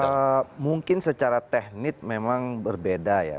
ya mungkin secara teknik memang berbeda ya